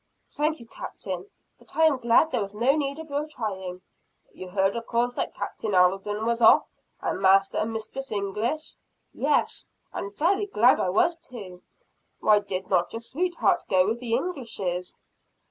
"Thank you, Captain, but I am glad there was no need of your trying." "You heard of course that Captain Alden was off, and Master and Mistress English?" "Yes and very glad I was too." "Why did not your sweetheart go with the Englishes?"